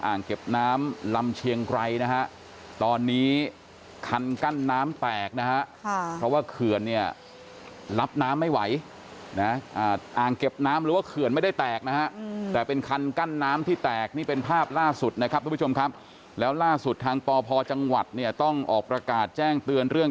อ่านเก็บน้ำหรือเขื่อนไม่ได้แตกแต่เป็นคันกั้นน้ำที่แตก